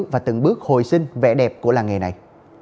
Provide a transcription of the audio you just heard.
và từng bước hồi sinh vẻ đẹp của làng nghề này